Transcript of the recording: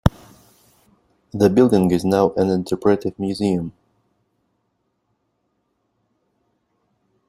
The building is now an interpretive museum.